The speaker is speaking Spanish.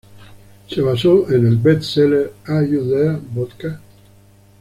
Se basó en el best seller "Are You There, Vodka?